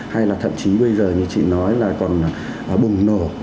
hay là thậm chí bây giờ như chị nói là còn bùng nổ